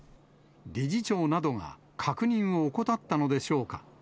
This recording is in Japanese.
理事長などが確認を怠ったのでしょうか。